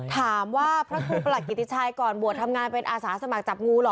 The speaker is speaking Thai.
ถามว่าพระครูปรหลักกิธิชัยก่อนบัวทำงานเป็นอาสาสมัครจับงูหรอ